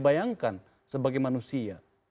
bayangkan sebagai manusia